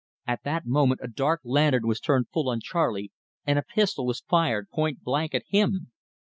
At that moment a dark lantern was turned full on Charley, and a pistol was fired pointblank at him.